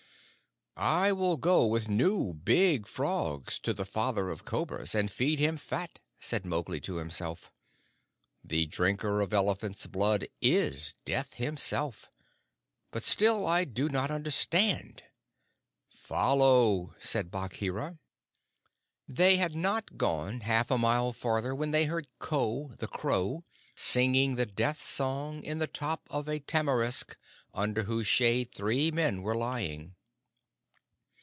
"I will go with new, big frogs to the Father of Cobras, and feed him fat," said Mowgli to himself. "The drinker of elephant's blood is Death himself but still I do not understand!" "Follow!" said Bagheera. They had not gone half a mile further when they heard Ko, the Crow, singing the death song in the top of a tamarisk under whose shade three men were lying.